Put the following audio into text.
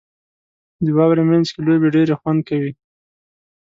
• د واورې مینځ کې لوبې ډېرې خوند کوي.